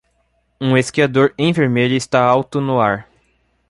Um esquiador em vermelho está alto no ar.